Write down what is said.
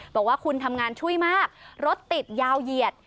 บอกว่าคุณทำงานช่วยมากรถติดยาวเหยียด